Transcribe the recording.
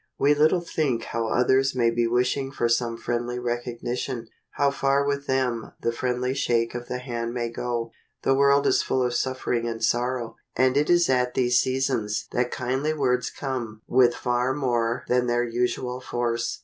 We little think how others may be wishing for some friendly recognition, how far with them the friendly shake of the hand may go. The world is full of suffering and sorrow, and it is at these seasons that kindly words come with far more than their usual force.